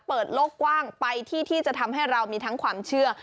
เปิดโลกกว้างไปที่ที่จะทำให้เรามีทั้งความเชื่อ